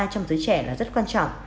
trong giới trẻ là rất quan trọng